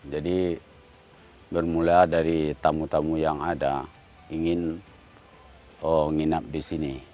jadi bermula dari tamu tamu yang ada ingin nginap di sini